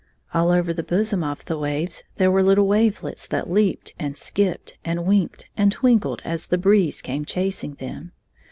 All over the bosom of the waves there were little wavelets that leaped and skipped and winked and twinkled as the breeze came chasing them.